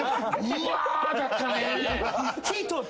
うわだったね。